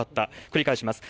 繰り返します。